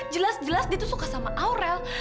jelas jelas dia tuh suka sama aurel